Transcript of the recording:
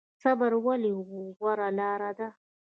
صبر ولې غوره لاره ده؟